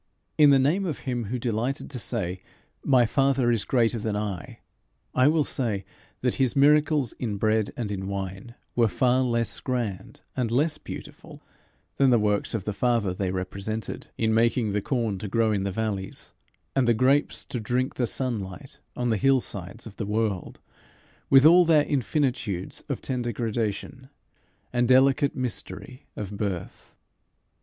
In the name of him who delighted to say "My Father is greater than I," I will say that his miracles in bread and in wine were far less grand and less beautiful than the works of the Father they represented, in making the corn to grow in the valleys, and the grapes to drink the sunlight on the hill sides of the world, with all their infinitudes of tender gradation and delicate mystery of birth.